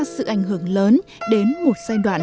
sự ảnh hưởng lớn đến một giai đoạn